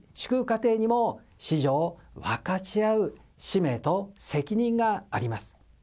家庭にも、子女を分かち合う使命と責任があります。